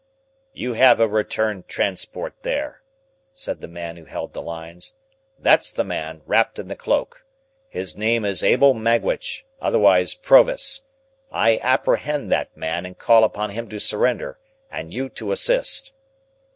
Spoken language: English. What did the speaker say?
"You have a returned Transport there," said the man who held the lines. "That's the man, wrapped in the cloak. His name is Abel Magwitch, otherwise Provis. I apprehend that man, and call upon him to surrender, and you to assist."